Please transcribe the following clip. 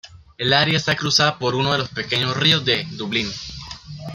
El área está cruzada por uno de los pequeños ríos de Dublín.